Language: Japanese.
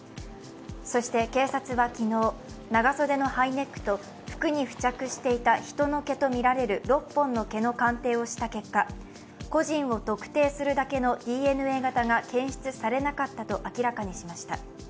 そして警察は昨日、長袖のハイネックと服に付着していた人の毛とみられる６本の毛の鑑定をした結果、個人を特定するだけのＤＮＡ型が検出されなかったと明らかにしました。